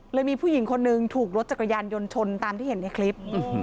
มีผู้หญิงคนนึงถูกรถจักรยานยนต์ชนตามที่เห็นในคลิป